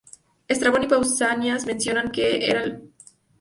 Estrabón y Pausanias mencionan que era el puerto de Tespias.